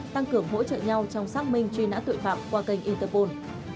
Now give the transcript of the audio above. tăng cường hỗ trợ nhau trong xác minh truy nã tội phạm qua kênh interpol